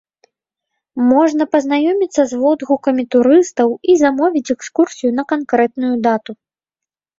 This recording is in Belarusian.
Можна пазнаёміцца з водгукамі турыстаў і замовіць экскурсію на канкрэтную дату.